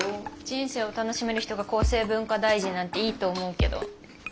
人生を楽しめる人が厚生文化大臣なんていいと思うけど。